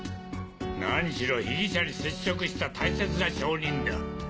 何しろ被疑者に接触した大切な証人だ。